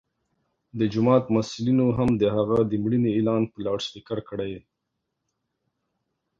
د جومات مسؤلینو هم د هغه د مړینې اعلان په لوډسپیکر کړی.